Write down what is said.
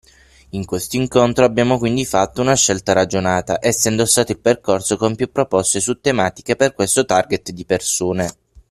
In questo incontro abbiamo quindi fatto una scelta ragionata, essendo stato il percorso con più proposte su tematiche per questo target di persone.